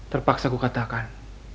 terpaksa ku katakan